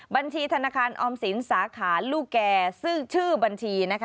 บัญชีธนาคารออมสินสาขาลูกแก่ซึ่งชื่อบัญชีนะคะ